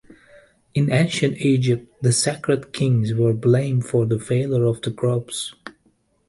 In ancient Egypt the sacred kings were blamed for the failure of the crops.